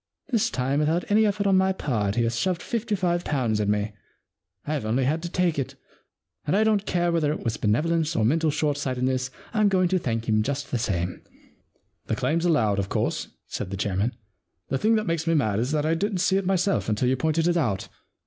This time without any effort on my part he has shoved fifty five pounds at me. I've only had to take it. And I don't care 8i The Problem Club whether it was benevolence or mental short sightedness — Fm going to thank him just the same,' * The claim's allowed, of course,' said the chairman. * The thing that makes me mad is that I didn*t see it myself until you pointed it out.